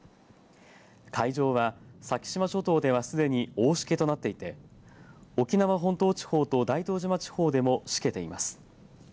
海上は先島諸島ではすでに大しけとなっていて沖縄本島地方と大東島地方でもしけています。